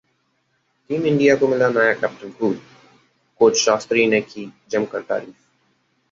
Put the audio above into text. team India को मिला नया 'कैप्टन कूल', कोच शास्त्री ने की जमकर तारीफ